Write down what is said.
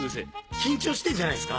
緊張してんじゃないですか？